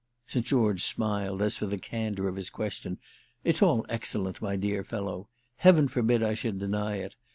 St. George smiled as for the candour of his question. "It's all excellent, my dear fellow—heaven forbid I should deny it.